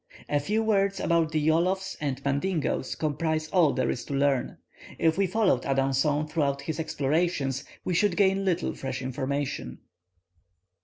A few words about the Yolofs and Mandingoes comprise all there is to learn. If we followed Adanson throughout his explorations, we should gain little fresh information.